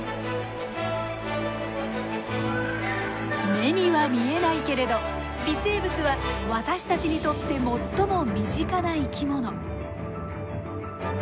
目には見えないけれど微生物は私たちにとって最も身近な生き物。